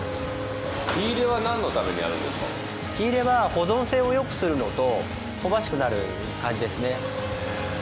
火入れは保存性を良くするのと香ばしくなる感じですね。